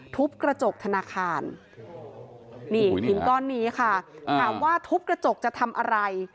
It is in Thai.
ทุบกระจกธนาคารนี่หินก้อนนี้ค่ะถามว่าทุบกระจกจะทำอะไร